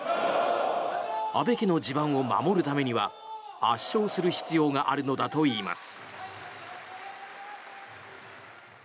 安倍家の地盤を守るためには圧勝する必要があるのだといいます。